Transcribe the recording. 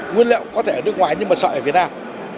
nguyên liệu có thể ở nước ngoài nhưng mà sợi ở việt nam